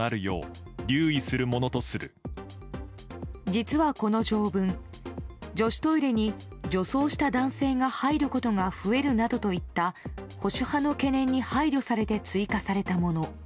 実は、この条文女子トイレに女装した男性が入ることが増えるなどといった保守派の懸念に配慮されて追加されたもの。